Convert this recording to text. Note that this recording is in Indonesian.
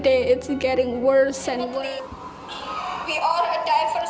dan setiap hari itu menjadi lebih buruk